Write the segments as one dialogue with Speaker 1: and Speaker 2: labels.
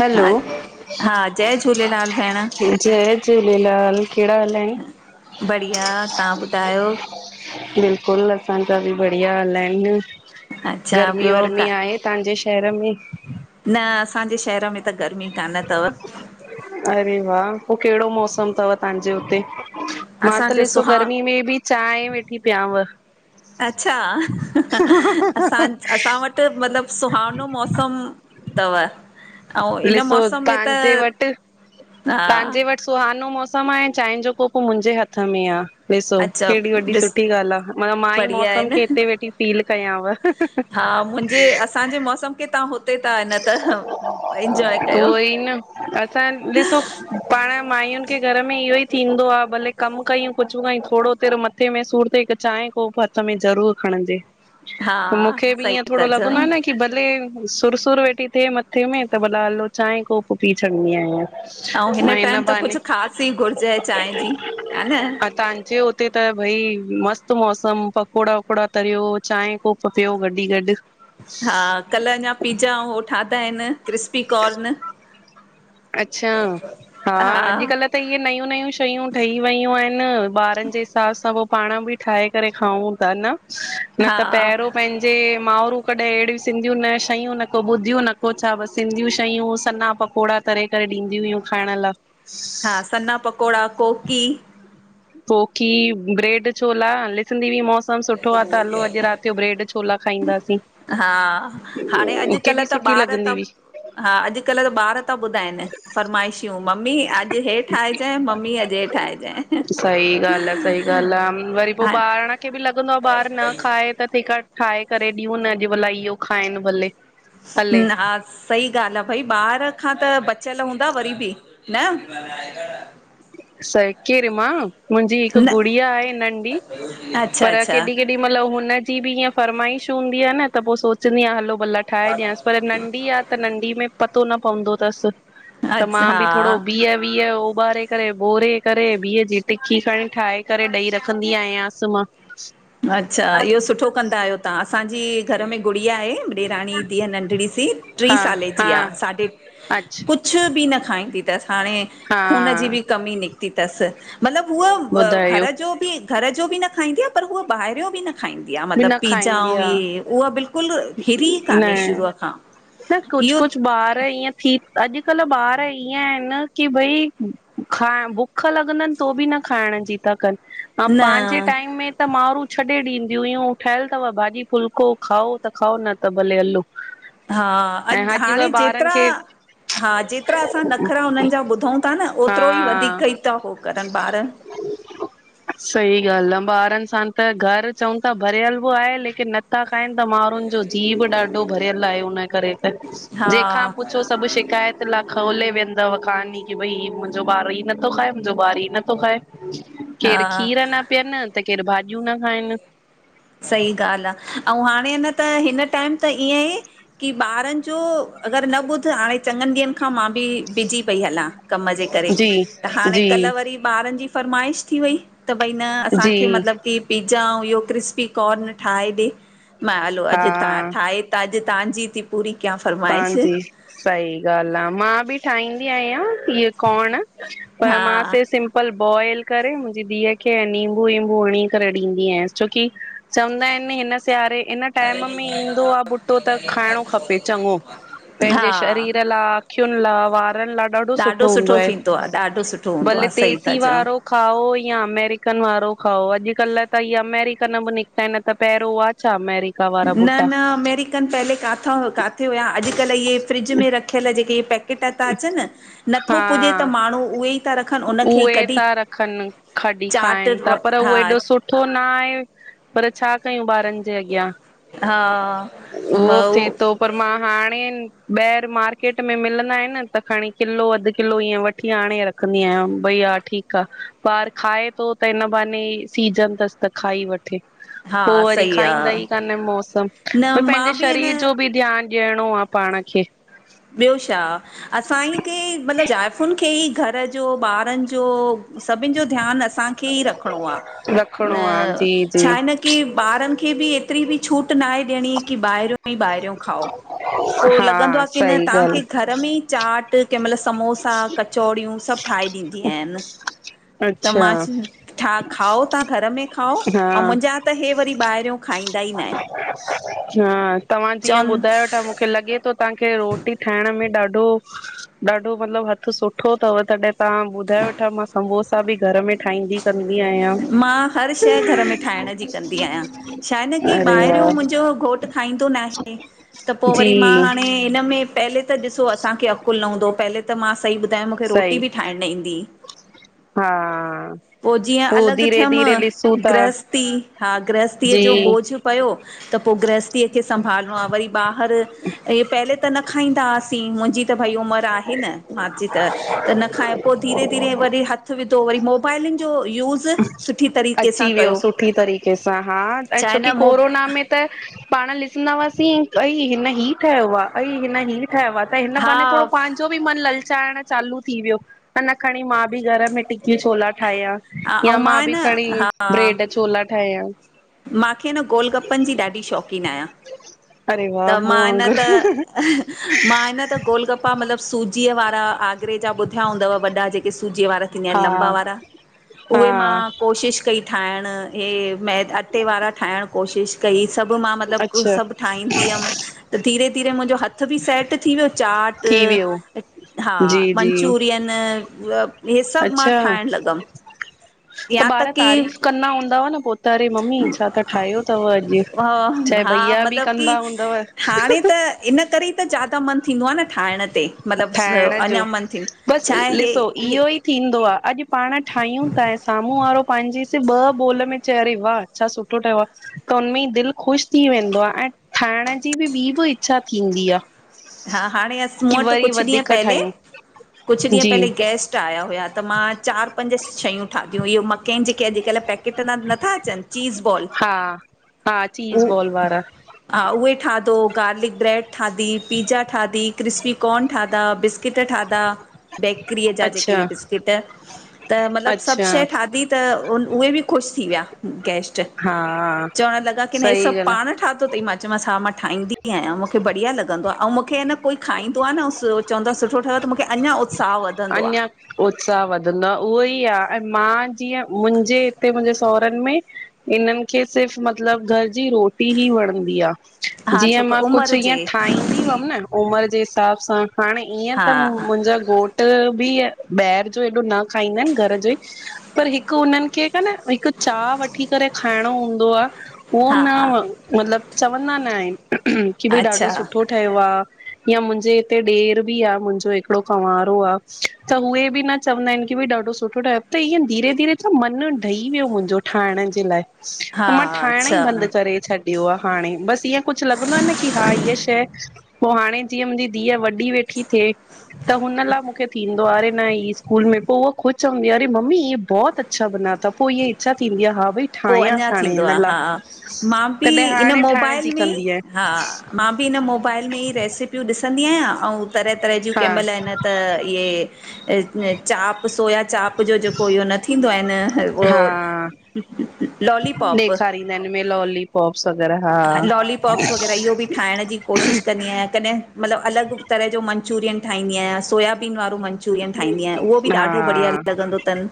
Speaker 1: Hello
Speaker 2: हा हा जय झूलेलाल भेण
Speaker 1: जय झूलेलाल। कहिड़ा हाल आहिनि?
Speaker 2: बढ़िया, तहां ॿुधायो।
Speaker 1: बिल्कुलु असांजा बि बढ़िया हाल आहिनि
Speaker 2: अच्छा
Speaker 1: गर्मी
Speaker 2: ॿियो का
Speaker 1: वर्मी आहे। तहांजे शहर में
Speaker 2: न असांजे शहर में त गर्मी कान तव।
Speaker 1: अरे वाह! पोइ कहिड़ो मौसम तव तहांजे हुते? मां त
Speaker 2: असांजो
Speaker 1: ॾिसो
Speaker 2: सुहाव
Speaker 1: गर्मी में बि चांए वेठी पियांव।
Speaker 2: अच्छा असां असां वटि त मतलबु सुहानो मौसम तव। अऊ इन मौसम में त हा
Speaker 1: तहांजे वटि सुहानो मौसम आहे ऐं चांए जो कोप मुंहिंजे हथ में आ। ॾिसो
Speaker 2: अच्छा
Speaker 1: केॾी वॾी
Speaker 2: ॾिस
Speaker 1: सुठी ॻाल्हि आ [unintelligible] मां ई
Speaker 2: बढ़िया आहे
Speaker 1: मौसम खे
Speaker 2: न
Speaker 1: हिते वेठी फील कयाव।
Speaker 2: मुंजे असांजे मौसम खे तव्हां हुते ता न तहं एंजॉय कयो।
Speaker 1: उहो ई न असां ॾिसो पाण मायुन खे घर में इहो ई थींदो आ भले कमु कयूं कुझ कयूं थोरो तेेरो मत- मथे में सूर तइ त चांए कोप हथ में ज़रूर खणजे।
Speaker 2: हा
Speaker 1: मूंखे बि इंअ
Speaker 2: सही था
Speaker 1: थोरो लॻंदो आ
Speaker 2: चओ
Speaker 1: न कि कि भले, सुरु- सुरु वेठी थीए मथे में, त भला हलो चांहिं कोप पी छॾींदी आहियां।
Speaker 2: ऐं
Speaker 1: म
Speaker 2: हिन
Speaker 1: इन
Speaker 2: टाइम त
Speaker 1: बहाने,
Speaker 2: कुझु ख़ासि ई घुरिजे चांहि जी हा न
Speaker 1: पर तांजे ओ [unintelligible] उते त भई, मस्त मौसमु, पकोड़ा- वकोड़ा तरियो, चांहि कोप पियो गॾी गॾ
Speaker 2: हा, कल अञा पिज़ा अउं ठादा आहिनि क्रिस्पी कॉर्न।
Speaker 1: अच्छा, हा अॼकल्ह त इहे नयूं- नयूं शयूं ठही वयूं आहिन ॿारनि जे हिसाब सां, पोइ पाण बि ठाहे करे खाऊं था न, न
Speaker 2: हा
Speaker 1: त पहिरियों पंहिंज जे माउरूं कॾहिं अहिड़ियूं सिंधीयूं न शयूं न को ॿुधियूं न को छा बस सिंधियूं शयूं सन्ना पकौड़ा तरे करे ॾींदियूं हुयूं खाइण लाइ।
Speaker 2: हा, सन्ना पकौड़ा कोकी।
Speaker 1: कोकी, ब्रेड छोला, लिखदीं हुईमास तमामु सुठो आहे, त हलो अॼु राति जो ब्रेड छोला खाइंदासीं।
Speaker 2: हा, हाणे अॼुकल्हु त
Speaker 1: सुठी
Speaker 2: ॿार त
Speaker 1: लॻंदी हुई
Speaker 2: हा, अॼुकल्हु त ॿार था ॿुधाइनि फ़रमाइश्यूं, मम्मी अॼु हे ठाहे चयइं मम्मी अॼु हे ठाहेजइं।
Speaker 1: सही ॻाल्हि आहे, सही ॻाल्हि आहे, वरी पोइ
Speaker 2: हा
Speaker 1: पांण खे बि लॻंदो आहे ॿारु न खाए त तेंखां ठाहे करे ॾियूंन, अॼु भला इहो खाइनि भले। हले
Speaker 2: न अ हा र [unintelligible] सही ॻाल्हि आहे, भई ॿार खां त बचियल हूंदा वरी बि, न?
Speaker 1: साइ केर मां मुंहिंजी हिकु
Speaker 2: न
Speaker 1: गुड़िया आहे नंढी,
Speaker 2: अच्छा
Speaker 1: पर केॾी
Speaker 2: अच्छा
Speaker 1: -केॾी केॾी महिल हुनजी बि इअं फर्माइश हूंदी आहे न त पोइ सोचंदी आहियां, हलो भला ठाहे ॾियांसि पर नंढी आहे त, नंढी में पतो न पवंदो थसि। त
Speaker 2: अच
Speaker 1: मां बि थोड़ो
Speaker 2: हा
Speaker 1: भीह- वीह उॿारे करे भोरे करे भींह जी टिकी खणी ठाहे करे ॾई रखंदी आयांसि मां।
Speaker 2: अच्छा, इहो सुठो कंदा आहियो तव्हां, असांजी घर में गुड़िया आहे ॾेराणी जी धीअ नंढड़ी सी, टी
Speaker 1: हा
Speaker 2: साले जी
Speaker 1: हा
Speaker 2: आहे साढे।
Speaker 1: अच्छा
Speaker 2: कुझु कुझु बि न खाइंदी थसि, हाणे
Speaker 1: हा
Speaker 2: खून जी बि कमी निकिती तसि। मतलबु हूअ
Speaker 1: ॿुधायो
Speaker 2: घर जो बि घर जो बि न खाइंदी, आहे पर हू ॿाहिरियो बि न खाइंदी आहे
Speaker 1: बि
Speaker 2: मतिलबु
Speaker 1: न
Speaker 2: पिज्जा
Speaker 1: खाईंदी
Speaker 2: अऊं
Speaker 1: आ
Speaker 2: ईहे, उहा बिल्कुल हिरी
Speaker 1: न
Speaker 2: कान्हे शुरूअ खां।
Speaker 1: न कुछु-
Speaker 2: इहो
Speaker 1: कुछु ॿार इअं थी अॼुकल्हु ॿार इअं आहिनि न कि भई, खां बुख लॻंदनि तो बि न खाइण जी था कनि, अंऐ पंहिंजे
Speaker 2: न
Speaker 1: टाइम में त माउरूँ छॾे ॾीं दियूं हुयूं ठहियल अथव भाॼी फ़ुलको, खाओ त खाओ न त भले हलो।
Speaker 2: हा
Speaker 1: ऐं
Speaker 2: अॼु हाणे
Speaker 1: अॼुकल्ह ॿारनि
Speaker 2: जेतिरा
Speaker 1: खे
Speaker 2: हा, जेतिरा असां नख़रा हुननि जा ॿुधूं था न
Speaker 1: हा
Speaker 2: ओतिरो ही वधीक ही था हो करनि ॿार।
Speaker 1: सही ॻाल्हि आहे, ॿारनि सां त घर चऊं था भरियल बि आहे, लेकिन नथा खाइंनि त माण्हुनि जो जीय बि ॾाढो भरियल आहे हुन करे। त
Speaker 2: हा
Speaker 1: जहिंखां पुछो सभु शिकायत ला खोले वियंदव कहाणी कि, भई मुंहिंजो ॿारु ही नथो खाए, मुंहिंजो ॿारु ही नथो खाए।
Speaker 2: हा
Speaker 1: केर खीर न पीअनि, त केर भाॼियूं न खाइनि।
Speaker 2: सही ॻाल्हि आहे, अंऊं हाणे हिन त, हिन टाइम त इअं ही कि ॿारनि जो, अगर न ॿुधु, हाणे चङनि ॾींहंनि खां मां बि बिज़ी पई हलां। कम जे करे,
Speaker 1: जी
Speaker 2: त हाणे
Speaker 1: जी
Speaker 2: कल वरी ॿारनि जी फ़रमाइश थी वई, त भई न
Speaker 1: जी
Speaker 2: असांखे मतलबु कि पिज़्ज़ा अऊं ईहो क्रिस्प क्रिस्पीकॉर्न ठाहे ॾे। मां हलो
Speaker 1: हा
Speaker 2: अॼु ठाहे त अॼु तहांजी थी पूरी कयां फरमाइश
Speaker 1: सही ॻाल्हि आ, मां बि ठाहींदी आहियां हीअ कोर्न। पर मां
Speaker 2: हा
Speaker 1: से सिं पल बॉइल करे मुंहिंजी धीउ खे नींबू वीम्बू हणी करे ॾींदी आयांसि, छोकि चवंदा आहिनि न हिन सियारे, हिन टाइम में ईंदो आहे बुटो त खाइणो खपे। चॻों, पंहिंजे
Speaker 2: हा
Speaker 1: शरीर लाए, अखियुनि लाए, वारनि लाए ॾाढो सुठो हूंदो आहे,
Speaker 2: थींदो ॾाढो सुठो हूंदो
Speaker 1: भले
Speaker 2: आहे सही था
Speaker 1: देसी
Speaker 2: चओ
Speaker 1: वारो खाओ या अमेरिकन वारो खाओ, अॼुकल्ह त ई अमेरिकन बि निकिता आहिनि न त पहिरों वां छा अमेरिका वा
Speaker 2: न न अमेरिकन पहले काथां काथे हुया। अॼुकल्ह इहे फ्रिज में रखियल जेके इहे पैक पैकेट ॿि ता अचन, नथो
Speaker 1: हा
Speaker 2: पुॼे त माण्हू उहे ई था रखनि उनखे ई
Speaker 1: उहे
Speaker 2: कढी
Speaker 1: था रखनि, खॾी
Speaker 2: चाट
Speaker 1: खाइनि था पर उहो
Speaker 2: हा
Speaker 1: एॾो सुठो न आहे। पर छा कयूं ॿारनि जे अॻियां,
Speaker 2: हा
Speaker 1: उहो ॿ थिए तो। पर मां हाणे ॿाहिरि मार्केट में मिलंदा आहिनि न त खणी किलो अधु किलो ईअं वठी आाणे रख रखदीं आंया, भई हा ठीकु आ, ॿार खाए थो त हिन बहाने सीजन थसि त खाई वठो
Speaker 2: हा
Speaker 1: पो वरी
Speaker 2: सही
Speaker 1: खाईंदा
Speaker 2: आहे
Speaker 1: ई कान मौसम
Speaker 2: न
Speaker 1: भ,
Speaker 2: मां
Speaker 1: पंहिंजे
Speaker 2: बि
Speaker 1: शरीर
Speaker 2: अन
Speaker 1: जो बि ध्यानु ॾियणो आ पाण खे।
Speaker 2: ॿियो छा! असां खे मतिलबु ज़ाइफ़ुनि खे ई घर ॼो ॿारनि ॼो सभिनि ॼो ध्यानु असां ही रखणाों आ,
Speaker 1: रखिणो आहे जी जी
Speaker 2: छा आहे न की ॿारनि खे बि हेतिरी बि छूट ना आहे ॾियणी कि ॿाहिरियो ई ॿाहिरियों खाओ, पो
Speaker 1: हा
Speaker 2: लॻंदो आ कि
Speaker 1: सही ॻाल्हि
Speaker 2: घर में ई चाट कंहिं मइल समोसा, कचौड़ियूं सब ठाहे ॾींदी आहियांन, त
Speaker 1: अच्छा
Speaker 2: मां ठा खाओ था घर में खाओ ऐं मुंहिंजा त हे वरी ॿाहिरियों खाईंदा ई न आहिनि
Speaker 1: हां, तव्हां जीअं
Speaker 2: चवनि
Speaker 1: ॿुधायो था मुखें लॻे थो तहांखे रोटी ठाहिण में ॾाढो ॾाढो मतलब हथु सुठो थव, तॾहिं तहां ॿुधायो वेठा मां सम्बोसा बि घर में ठाहिंदी कंदीं आयां।
Speaker 2: मां हर शै घर में ठाहिण ॼी कंदी आहियां, छा ए न कि
Speaker 1: अरे
Speaker 2: ॿाहिरियों
Speaker 1: वाह
Speaker 2: मुंहिंजो घोट खाईंदो ना आहे त पो
Speaker 1: जी
Speaker 2: वरी मां हाणे हिन में पहले त ॾिसो असांखे अकुल न हूंदो हो, पहले त मां सही ॿुधाया मा मुखे रोटी
Speaker 1: सही
Speaker 2: बि ठाहिणु न ईंदी ई।
Speaker 1: हा
Speaker 2: जीअं
Speaker 1: पोइ
Speaker 2: अलॻि
Speaker 1: धीरे
Speaker 2: थियमि,
Speaker 1: धीरे ॾिसूं था
Speaker 2: गृहस्थी हा गृहस्थीअ
Speaker 1: जी
Speaker 2: ॼो बोझ पियो त पो गृहस्थीअ खे संभालणो आ, वरी ॿाहिर ईहे पहले त न खाईंदा हुआसीं मुंहिंजी त भई उमिरि आहे न मंहांजी त, त न खांइ पो धीरे धीरे वरी हथु विधो, वरी मोबाइलनि ॼो यूॼ
Speaker 1: अची वियो सुठी तरीक़े सां, हा ऐं
Speaker 2: छा आहे न
Speaker 1: छोकि
Speaker 2: मो
Speaker 1: कोरोना में त पाण ॾिसंदा हुआसीं अई हिन ही ठाहियो आ, अई हिन ही ठयो आ त हिन बहाने थोङो
Speaker 2: हा
Speaker 1: पान् पांॼो बि मन ललचाइण चालू थी वियो अना खणी मां बि घर में टिकी छोला ठाहयां।
Speaker 2: ऐं
Speaker 1: या मां ॿि
Speaker 2: न
Speaker 1: खणी ब्रेॾ छोला ठाहयां।
Speaker 2: मांखे न गोल गप्पनि जी ॾाढी शौंक़ीनु आहियां।
Speaker 1: अरे
Speaker 2: त
Speaker 1: वाह मूं
Speaker 2: मां इ न
Speaker 1: वांगुर
Speaker 2: त मां आ न त गोलगप्पा मतिलबु सूजीअ वारा आगरे जा ॿुधिया हूंदव वॾा जेका सूजी वारा थींदा
Speaker 1: हा
Speaker 2: आहिनि लंबा वारा
Speaker 1: हा
Speaker 2: उहे मां कोशिशि कई ठाहिण इहे मै अटे वारा ठाहिणु कोशिशि कई सभु मां मतलिॿ
Speaker 1: अच्छा
Speaker 2: सभु ठाहींदीम त धीरे धीरे मुंहिंजो हथ हथ बि सेट थी वियो चाट्
Speaker 1: थी वियो
Speaker 2: हा
Speaker 1: जी जी
Speaker 2: मंचुरियन हहे सभु मां
Speaker 1: अच्छा
Speaker 2: ठाहिण लॻियमि।
Speaker 1: त ॿार तारीफ़ करा हूंदा हुआ न पोत अरे मम्मी छा त ठाहियो तव अॼु चे
Speaker 2: हा
Speaker 1: भैया बि
Speaker 2: मतिलब की
Speaker 1: कंदा हूंदव।
Speaker 2: हाणे त
Speaker 1: हहह
Speaker 2: इन करे ई त ज्यादा मन थींदो आहे न ठाहिण ये मतलब
Speaker 1: ठाहिण
Speaker 2: अञा
Speaker 1: जो
Speaker 2: मन थी
Speaker 1: बसि
Speaker 2: छाहे हे
Speaker 1: ॾिसो
Speaker 2: हे
Speaker 1: इहो ई थींदो आ अॼु पाण ठाहियूं था ऐं सामो वारो पहिंजे से ॿ बोल में चे अरे वाह छा सुठो ठहियो आ। त हुनमें ई दिल ख़ुश थी वेंदो आहे ऐं ठाहिण जी भी ॿी भी इच्छा थींदी आ।
Speaker 2: हा हाणे अस मूं वट कुछ ॾींहं
Speaker 1: वधीक
Speaker 2: पहले
Speaker 1: ठाहियूं
Speaker 2: कुछ ॾींहं
Speaker 1: जी
Speaker 2: पहिले गेस्ट आया हुया त मां चार पंज शयूं ठाहियूं इहेो मकेन जेके अॼुकल पैकट क नथा अचन चीज़ बॉल
Speaker 1: हा हा चीज़ बॉल वारा
Speaker 2: हा उहे ठाहितो गार्लिक ब्रैड ठाहती पिज़्ज़ा ठाहती क्रिस्पी कॉर्न ठाहता बिस् बिस्किट ठाहिता बेकरीअ जा जेके
Speaker 1: अच्छा
Speaker 2: इहे बिस्किट त मतिलब सभ
Speaker 1: अच्छा
Speaker 2: शइ ठाहती त उहे भी ख़ुश थी वया, गैस्ट।
Speaker 1: हा
Speaker 2: चवण लॻा की न हे
Speaker 1: सही
Speaker 2: सभ
Speaker 1: ॻाल्हि
Speaker 2: पाण ठाहतो थई मां च मांस हा मां ठाहदीं बीआहियां मूखे बढ़िया लॻ ंआहे ऐं मूंखे न कोई खाईंदो आहे न चवंदो आहे सुठो ठहियो आहे त मुखे अञा उत्साह वधंदो
Speaker 1: अञा
Speaker 2: आहे
Speaker 1: उत्साह वधंदो आहे उहो ई आहे ऐं मां जीअं मुहिंजे हिते मुंहिंजे सावरन में इन्हनि खे सिर्फ़ मतिलब घर जी रोटी ई वणंदी आ।
Speaker 2: हा
Speaker 1: जीअं
Speaker 2: छोक
Speaker 1: मां कुछ
Speaker 2: उमिरि
Speaker 1: ईअं
Speaker 2: जे
Speaker 1: ठाहदीं हुयम न उमरि जे हिसाब सां हाणे ईअं
Speaker 2: हा
Speaker 1: त मुहिंजो घोट घ बि ॿाहरि जो हेॾो न खाईंदा आहिन घर जो पर हिक हुननि खे क न हिक चाह वठी करे खाइणो हूंदो आ उहो
Speaker 2: हा
Speaker 1: न मतिलब चवंदा न आहिन की भई ॾाढो
Speaker 2: अच्छा
Speaker 1: सुठो। ठयो आ मुहिंजे हिते ॾेर भी आ मुहिंजो हिकिड़ो कंवार त उवे भी न चवंदा आहिन की ॾाढो सुठो ठहयों धीरे धीरे त मन डही वयो मुहिंजो ठाहिण जे लाइ
Speaker 2: हा
Speaker 1: त मां ठाहिण ई
Speaker 2: अच्छा
Speaker 1: बंद करे छॾि छडियो हा हाणे बस ईअं कुछ लॻंदो आहे न की हा हीअ शइ पो हाणे जीअं मुहिंजी धीय वॾ वॾी वेठी थिए त हुन ला ईंदो आ न स्कूल में पोइ उहा ख़ुद हूंदी अे मम्मी इ बहुत अच्छा बना था पोइ इ इच्छा थींदी आ हा भई
Speaker 2: पोइ अञा
Speaker 1: ठाहियांसि हाणे
Speaker 2: थींदो
Speaker 1: हिन
Speaker 2: आ
Speaker 1: लाइ
Speaker 2: हा मांभी
Speaker 1: तॾहिं
Speaker 2: इन
Speaker 1: हाणे ठाहिण
Speaker 2: मोबाइल
Speaker 1: जी
Speaker 2: में
Speaker 1: कंदी आहियां
Speaker 2: हा मां मां भी हिनन मोबाइल में ई रेसपियूं ॾिसंदी आहियां ऐं तरह तरह जूं
Speaker 1: हा
Speaker 2: केमल इन त इय चाप सोया चाप। इयो जो जेको इहो न थींदो आहे उहो
Speaker 1: हा
Speaker 2: लॉलीपॉप
Speaker 1: ॾेखारींदा आहिन इ हिन में लॉलीपॉप्स वग़ैरह हा
Speaker 2: इहों भी ठाहिण जी कोशिश कंदी अहियांकॾहे मतिलब अलग तरह जो मनचूरियन ठाहदीं आहियां सोयाबीन वारो मंचूरियन मनचूरियन ठाहदीं आहियां उहो
Speaker 1: हा
Speaker 2: ॾाढो बढ़िया लॻंदो तन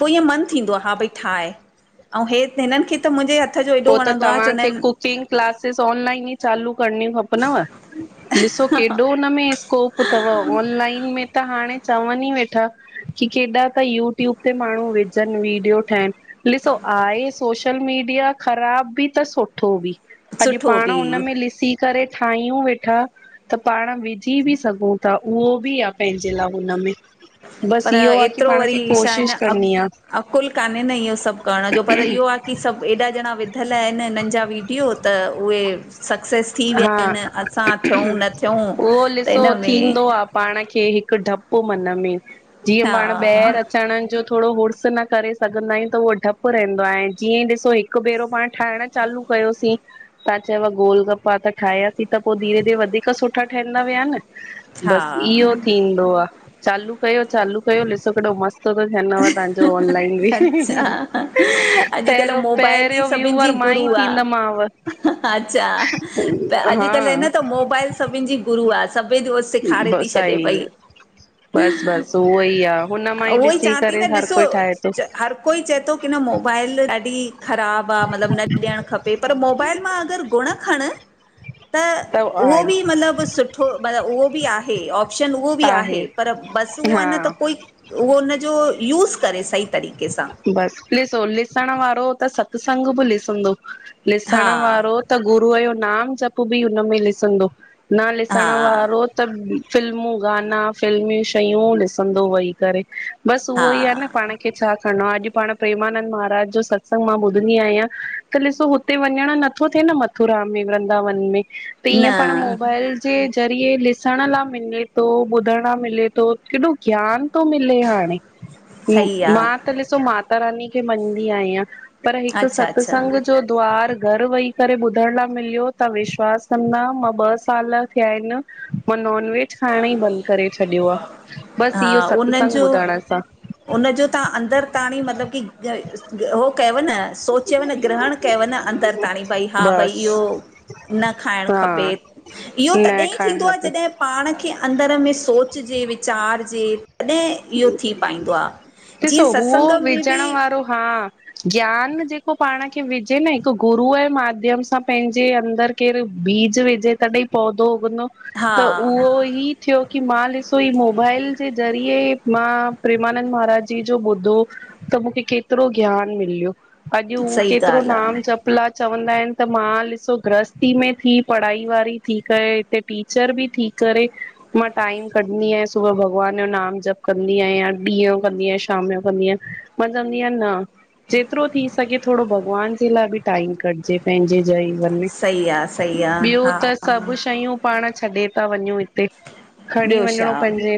Speaker 2: पोइ ईअं मन थींदो आहे हा भई ठायॵ हे हिनन खे त मुहिंजे हथ जो एॾो वणंदो आहे चवंदा आहिन।
Speaker 1: तीन क्लासस ऑनलाइन ई चालू करणी खपनव ॾिसो केॾो उनमें। कोप तव ऑनलाइन में त हाणे। चवन ई वेठा की केॾा त यूटूयूब ते माणु विझन वीडियो ठाहिन। ॾिसो आहे सोशल मीडिया। ख़राब बी त सुठो बि अॼ
Speaker 2: सुठो
Speaker 1: पाण
Speaker 2: बि
Speaker 1: उन में ॾिसी करे ठाहियूं वेठा। त पाण विझी बि सघूं ता उहो बि आ पहंजे ला हुनमें। बस
Speaker 2: पर
Speaker 1: इहो आ की
Speaker 2: एतिरो
Speaker 1: पाण खे
Speaker 2: वरी छा आहे
Speaker 1: कोशिश
Speaker 2: न अक
Speaker 1: करणी आ।
Speaker 2: अकुल कान्हे न इहो सभ करण जो पर इहो आ। क़ी सभ एॾा ॼणा विधल आहिन हिनन जा वीडियो त उहे सक्सेस थी विया
Speaker 1: हा
Speaker 2: आहिनि असां थियूं न थियूं
Speaker 1: उहो
Speaker 2: त
Speaker 1: ॾिसो
Speaker 2: हिन में
Speaker 1: थींदो आ। पाण खे हिक डप मन में जीअं
Speaker 2: हा
Speaker 1: पाण ॿाहिर अचण जो थोड़ो हुर्स न करे सघंदा आहियूं त उहो डप रहंदो ए जीअं ई ॾिसो हिक हिक भेरो पाण ठएण चालू कयोसीं। तव्हां चयव गोल गप्पा त ठाहियासीं त पोइ धीरे धीरे वधीक सुठा ठहंदा विया न
Speaker 2: हा
Speaker 1: बस इहो थींदो आ चालू कयो चालू कयो ॾिसो केॾो मस्त सुठो तो ठनव तव्हांजो
Speaker 2: अच्छा
Speaker 1: ऑनलाइन
Speaker 2: अॼुकल्ह
Speaker 1: पहरो
Speaker 2: मोबाइल ई
Speaker 1: पहरियों
Speaker 2: सभिनि
Speaker 1: व्यूवर
Speaker 2: जी
Speaker 1: मां
Speaker 2: गुरू
Speaker 1: ई
Speaker 2: आहे
Speaker 1: थींदमाव
Speaker 2: अच्छा
Speaker 1: हा।
Speaker 2: सभिन जी गुरु आ सब सिखारे थी
Speaker 1: बसि
Speaker 2: छॾे पई।
Speaker 1: त उओई आ हुन मां
Speaker 2: उहो ई चां
Speaker 1: ॾिसी
Speaker 2: ती
Speaker 1: करे
Speaker 2: न
Speaker 1: हर
Speaker 2: ॾिसो
Speaker 1: कोई ठाहे थो
Speaker 2: हर कोई चए तो की न मोबाइल ॾा डी खराब आ न ॾेयड़ खपे पर मोबाईल मा अगर गुण खड़। त उहो बि मतलब सुठो म उहो बि आहे ऑप्शन उहो बि आहे पर बस उहो आ न
Speaker 1: हा
Speaker 2: त कोई उहो उनजो यूज़ करे सही तरीक़े सां।
Speaker 1: बस ॾिसो ॾिसण वारो त सत्संग ब ॾिसंदो ॾिसण
Speaker 2: हा
Speaker 1: वारो त गुरूअ यो नाम जप बि हुनमें ॾिसंदो न
Speaker 2: हा
Speaker 1: ॾिसण वारो त त फिल्मूं गाना फिल्मी शयूं ॾिसंदो वेही करे। बस
Speaker 2: हा
Speaker 1: उहो ई आ न पाण छा करणो आहे अॼ पाण प्रेमाननंद महाराज जो सत्संग मां ॿुधंदी आयां त ॾिसो उते वञण नथो थिए न मथुरा में वृंदावन में त ईअं पाण
Speaker 2: न
Speaker 1: मोबाइल जे ज़रिए ॾिसण ला मिले तो ॿुधण ला मिले थो केॾो ज्ञान तो मिले हाणे।
Speaker 2: [inaudible]
Speaker 1: मां
Speaker 2: आहे
Speaker 1: त ॾिसो माता रानी खे मञंदी आहियां पर हिक
Speaker 2: अच्छा अच्छा
Speaker 1: सत्संग जो द्वार घर वेही करे ॿुधण ला मिलियो तव्हां विश्वास कंदा मां ॿ साल थिया आहिन मां नॉन वेज खाएण ई बंद करे छॾियो आ बस
Speaker 2: हा
Speaker 1: इहो
Speaker 2: उन्हनि
Speaker 1: सतसंग
Speaker 2: जो
Speaker 1: ॿुधण सां।
Speaker 2: उनजो तव्हां अंदर ताणी मतलब की हो कयव न सोच चयव न ग्रहण कयव न अंदर ताणी भई हा भई
Speaker 1: बस
Speaker 2: इहो न खाएण
Speaker 1: हा
Speaker 2: खपे। इहो
Speaker 1: न
Speaker 2: तॾहिं ई
Speaker 1: खाइण
Speaker 2: थींदो आ
Speaker 1: खपे
Speaker 2: जॾहिं पाण खे अंदर में सोच जे वीचार जे। तॾहिं इहो थी पाईंदो आ जीअं
Speaker 1: ॾिसो उहो
Speaker 2: सत्संग में भी
Speaker 1: विझण वारो हा ज्ञान जेको पाण खे विझे न हिक गुरूअ ये माध्यम सां पंहजे अंदर केर बीज विजे तॾे ई पौधो उगंदो।
Speaker 2: हा
Speaker 1: त उहो ई थियो की मां ॾिसो ही मोबाइल जे ज़रिये मां प्रेमानंद महाराज जी जो ॿुधो त मूंखे केतरो ज्ञान मिलियो। अॼु हू
Speaker 2: सही
Speaker 1: केतिरो
Speaker 2: ॻाल्हि आहे
Speaker 1: नाम जप फलां चवंदा आहिनि त मां ॾिसो गृहस्थी में थी पढ़ाई वारी थी करे हिते टीचर बी थी करे मां टाईम कढंदी आहियां सुबुह भॻवान जो नाम जप कंदी आहियां, ॾींह जो कंदी आहियां, शाम जो कंदी आहियां मां चवंदी आहियां न जेतिरो थी सघे थोरो भॻवान जे लाइ बि टाइम कटिजे। पंहिंजे जा ई
Speaker 2: सही आहे सही
Speaker 1: [unintelligible] ॿियो
Speaker 2: आहे हा
Speaker 1: त सभु शयूं पाण छॾे ता वञू हिते, खणी
Speaker 2: ॿियो
Speaker 1: वञणो
Speaker 2: छा
Speaker 1: पंहिंजे